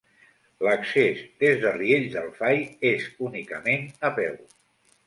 L'accés des de Riells del Fai és únicament a peu.